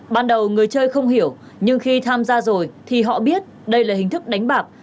ban đầu người chơi không hiểu nhưng khi tham gia rồi thì họ biết đây là hình thức đánh bạc